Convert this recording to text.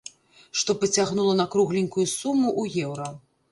Што пацягнула на кругленькую суму ў еўра.